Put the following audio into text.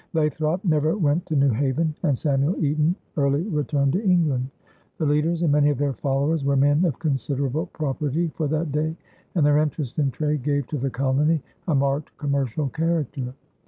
Lathrop never went to New Haven, and Samuel Eaton early returned to England. The leaders and many of their followers were men of considerable property for that day, and their interest in trade gave to the colony a marked commercial character.